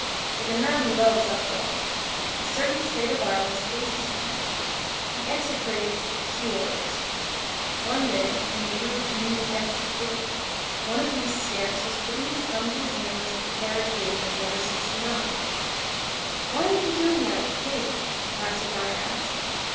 19 The gamin loves uproar. A certain state of violence pleases him. He execrates "the curés." One day, in the Rue de l'Université, one of these scamps was putting his thumb to his nose at the carriage gate of No. 69. "Why are you doing that at the gate?" a passer by asked.